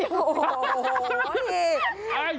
โอ้โฮนี่